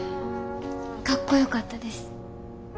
かっこよかったです。